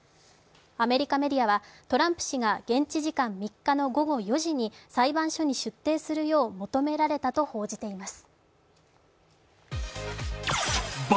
アメリカメディアはトランプ氏が現地時間３日の４時に裁判所に出廷するよう求められたと報じています。